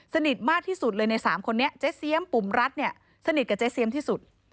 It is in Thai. สนิทมากที่สุดเลยใน๓คนนี้เจ๊เซียมปุ่มรัฐเนี่ยสนิทกับเจ๊เซียมที่สุด